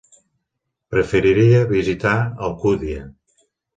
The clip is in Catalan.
Preferiria visitar Alcúdia.